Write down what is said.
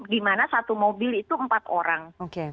di mana satu mobil itu empat orang